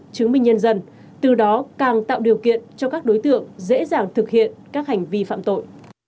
chứng minh nhân dân từ đó càng tạo điều kiện cho các đối tượng dễ dàng thực hiện các hành vi phạm tội